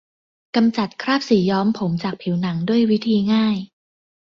กำจัดคราบสีย้อมผมจากผิวหนังด้วยวิธีง่าย